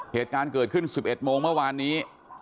เหตุการณ์เกิดขึ้น๑๑โมงเมื่อวานนี้